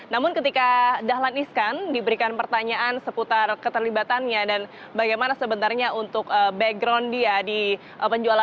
namun ketika dahlan iskan diberikan pertanyaan seputar keterlibatannya dan bagaimana sebenarnya untuk background dia di penjualan